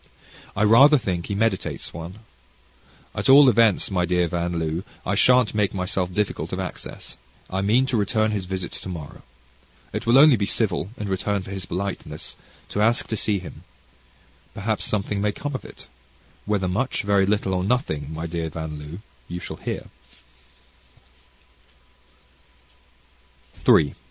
I rather think he meditates one. At all events, my dear Van L., I shan't make myself difficult of access; I mean to return his visit tomorrow. It will be only civil in return for his politeness, to ask to see him. Perhaps something may come of it. Whether much, little, or nothing, my dear Van L., you shall hear.